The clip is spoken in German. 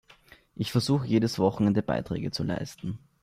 Ich versuche, jedes Wochenende Beiträge zu leisten.